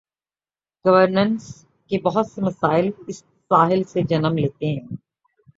Governance کے بہت سے مسائل اس تساہل سے جنم لیتے ہیں۔